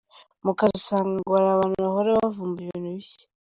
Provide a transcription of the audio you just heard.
Mu kazi usanga ngo ari abantu bahora bavumbura ibintu bishya,.